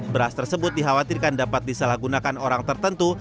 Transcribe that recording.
beras tersebut dikhawatirkan dapat disalahgunakan orang tertentu